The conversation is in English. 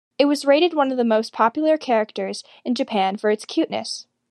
It was rated one of the most popular characters in Japan for its cuteness.